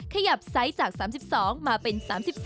ขยับไซส์จาก๓๒มาเป็น๓๒